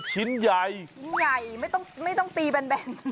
ชิ้นใหญ่ไม่ต้องตีแบน